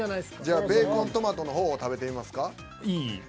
じゃあベーコントマトの方を食べてみますか？